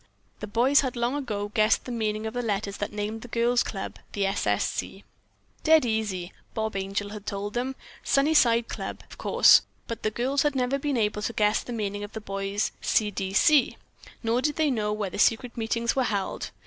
The boys had long ago guessed the meaning of the letters that named the girls' club "The S. S. C." "Dead easy!" Bob Angel had told them. "Sunny Side Club, of course." But the girls had never been able to guess the meaning of the boys' "C. D. C.," nor did they know where the secret meetings were held.